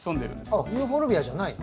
あっユーフォルビアじゃないの？